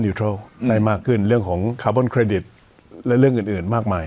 ได้มากขึ้นเรื่องของคาร์บอนเครดิตและเรื่องอื่นอื่นมากมาย